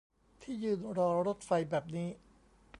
ที่ยืนรอรถไฟแบบนี้